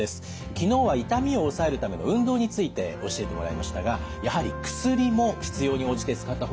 昨日は痛みを抑えるための運動について教えてもらいましたがやはり薬も必要に応じて使った方がよいということなんですよね。